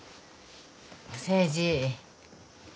誠治。